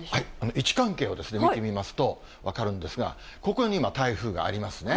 位置関係を見てみますと分かるんですが、ここに今、台風がありますね。